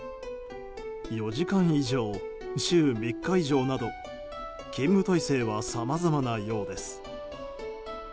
４時間以上、週３日以上など勤務体制はさまざまなようです。